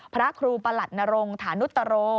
พระครูประหลัดนรงฐานุตโร